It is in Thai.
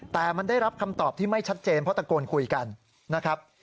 แต่มันได้รับคำตอบที่ไม่ชัดเจนเพราะตะโกนคุยกันนะครับ